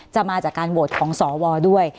มาจากการโหวตของสวด้วย